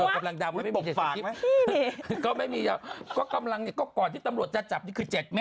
กำลังดาวไม่มีบอกฝากไหม